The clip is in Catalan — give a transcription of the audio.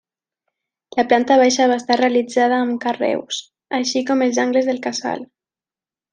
La planta baixa va estar realitzada amb carreus, així com els angles del casal.